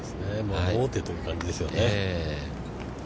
王手という感じですよね。